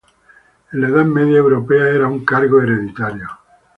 En la edad media europea era un cargo hereditario.